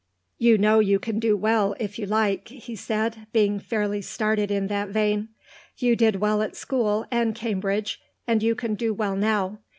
"You know you can do well if you like," he said, being fairly started in that vein. "You did well at school and Cambridge, and you can do well now.